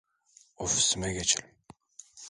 Ofisime geçelim.